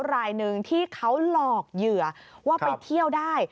รายหนึ่งที่เขาหลอกเหยื่อว่าไปเที่ยวได้